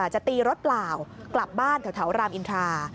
จะตีรถเปล่ากลับบ้านแถวรามอินทรา